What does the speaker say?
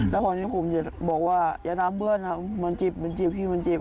แล้วพออันนี้ผมจะบอกว่าอย่าน้ำเบื้อนมันเจ็บพี่มันเจ็บ